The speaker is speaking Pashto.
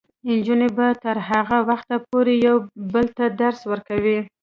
نجونې به تر هغه وخته پورې یو بل ته درس ورکوي.